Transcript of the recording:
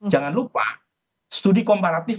jangan lupa studi komparatif